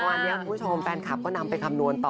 วันนี้คุณผู้ชมแฟนคลับก็นำไปคำนวณต่อ